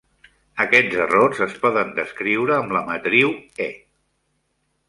Aquests errors es poden descriure amb la matriu "E".